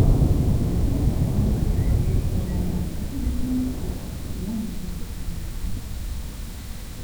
Omusajja avunaanyizibwa ku ndiisa y'abaana yatugaanye okulya nga bwe tunywa omulundi ogumu.